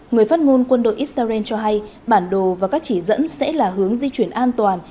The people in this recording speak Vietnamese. người phát ngôn quân đội israel cho hay bản đồ và các chỉ dẫn sẽ là hướng di chuyển an toàn